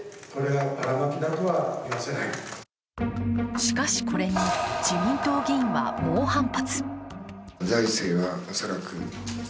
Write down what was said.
しかし、これに自民党議員は猛反発。